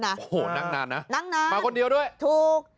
โอ้โฮนั่งนานนะมาคนเดียวด้วยนั่งนานถูก